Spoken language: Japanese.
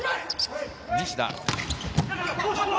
西田。